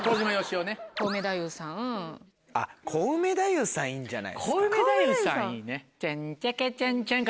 あっコウメ太夫さんいいんじゃないですか。